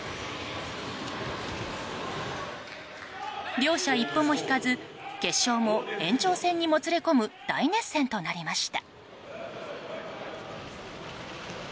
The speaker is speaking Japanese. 両者一歩も引かず決勝も延長戦にもつれ込む大熱戦となりました。